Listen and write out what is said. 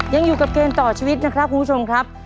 ยังอยู่กับเกมต่อชีวิตนะครับคุณผู้ชมครับ